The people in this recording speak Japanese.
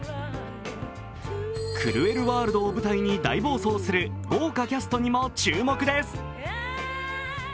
クルエル・ワールドを舞台に大暴走する豪華キャストにも注目です。